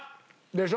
でしょ？